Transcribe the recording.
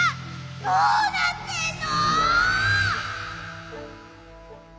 どうなってんの！？